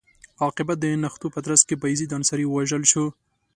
عاقبت د نښتو په ترڅ کې بایزید انصاري ووژل شو.